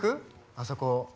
あそこ。